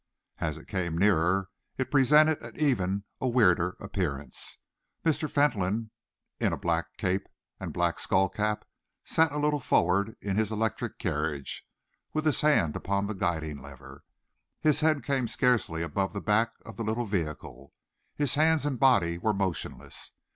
As it came nearer, it presented even a weirder appearance. Mr. Fentolin, in a black cape and black skull cap, sat a little forward in his electric carriage, with his hand upon the guiding lever. His head came scarcely above the back of the little vehicle, his hands and body were motionless.